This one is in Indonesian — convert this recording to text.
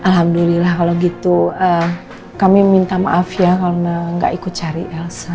alhamdulillah kalau gitu kami minta maaf ya karena gak ikut cari elsa